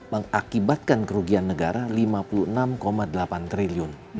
mengakibatkan kerugian negara lima puluh enam delapan triliun